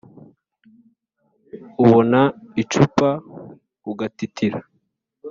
ubona icupa ugatitira